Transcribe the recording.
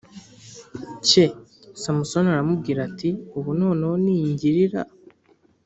cye Samusoni aramubwira ati ubu noneho ningirira